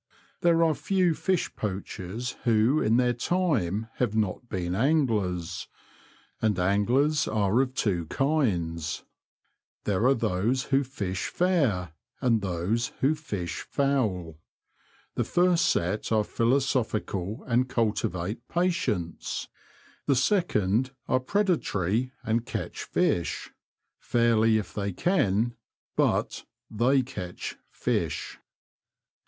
There are few fish poachers who in their time have not been anglers ; and anglers are of two kinds : there are those who fish fair, and those who fish foul. The I'wil^ ^^ t^, first set mM are phil losophi cal and cultivate ^patience: the sec ond are pre da 92 The Confessions of a Poacher, tory and catch fish, fairly if they can — but they catch fish.